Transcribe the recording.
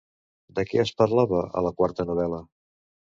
De què es parlava a la quarta novel·la?